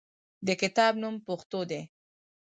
د کتاب نوم "پښتو" دی.